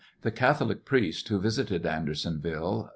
the Catholic priest who visited Andersonville.